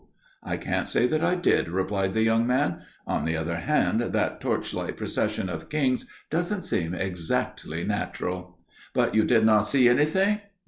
"I can't say that I did," replied the young man. "On the other hand that torch light procession of kings doesn't seem exactly natural." "But you did not see anything!